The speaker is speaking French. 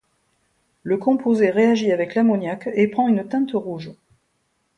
Le composé réagit avec l'ammoniaque et prend une teinte rouge.